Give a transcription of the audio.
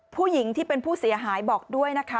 ผู้หญิงที่เป็นผู้เสียหายบอกด้วยนะคะ